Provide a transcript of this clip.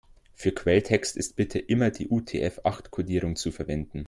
Für Quelltext ist bitte immer die UTF-acht-Kodierung zu verwenden.